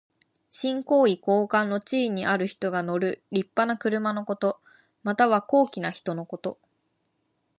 身高位高官の地位にある人が乗るりっぱな車のこと。または、高貴な人のこと。